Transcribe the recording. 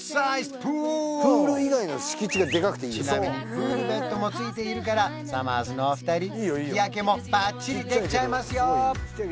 プールちなみにプールベッドもついているからさまぁずのお二人日焼けもばっちりできちゃいますよ